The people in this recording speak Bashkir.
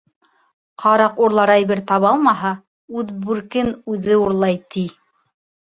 Ҡараҡ урлар әйбер табалмаһа, үҙ бүркен үҙе урлай, ти.